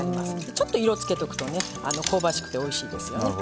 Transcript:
ちょっと色をつけておくとおいしいですよね。